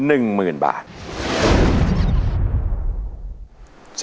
สะสมมูลค่า๑หมื่นบาท